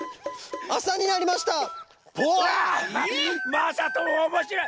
まさともおもしろい。